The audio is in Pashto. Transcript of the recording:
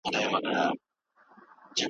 سياست پوهنه د ټولنې په پرمختګ کي اساسي رول لري.